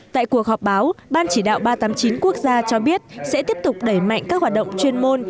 tại cuộc họp báo ban chỉ đạo ba trăm tám mươi chín quốc gia cho biết sẽ tiếp tục đẩy mạnh các hoạt động chuyên môn